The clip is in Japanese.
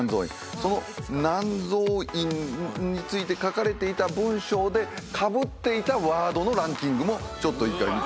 その南蔵院について書かれていた文章でかぶっていたワードのランキングもちょっと１回見ていこうと。